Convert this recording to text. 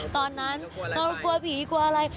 ตอนนั้นเรากลัวผีกลัวอะไร